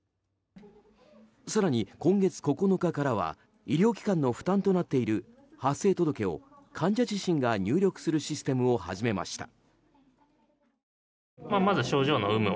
更に、今月９日からは医療機関の負担となっている発生届を、患者自身が入力するシステムを始めました。